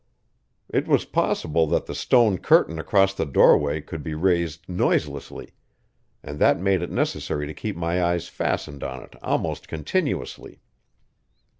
It was possible that the stone curtain across the doorway could be raised noiselessly, and that made it necessary to keep my eyes fastened on it almost continuously.